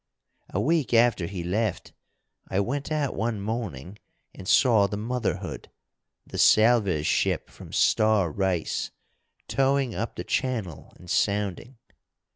A week after he left I went out one morning and saw the Motherhood, the salver's ship from Starr Race, towing up the channel and sounding.